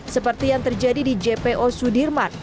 seperti yang terjadi di jpo sudirman